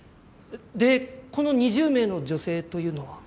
でこの２０名の女性というのは？